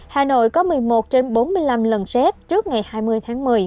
hà nội có một mươi một trên bốn mươi năm lần xét trước ngày hai mươi tháng một mươi